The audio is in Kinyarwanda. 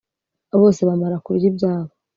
Bose bamara kurya ibyabo